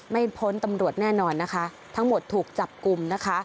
พ้นตำรวจแน่นอนนะคะทั้งหมดถูกจับกลุ่มนะคะ